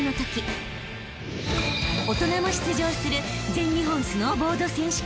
［大人も出場する］